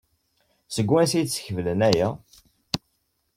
Seg wansi ay d-skeflen aya?